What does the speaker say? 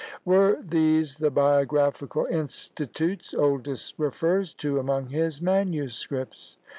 Were these the "Biographical Institutes" Oldys refers to among his manuscripts?